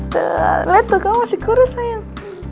tuh liat tuh kamu masih kurus sayang